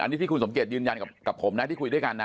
อันนี้ที่คุณสมเกียจยืนยันกับผมนะที่คุยด้วยกันนะ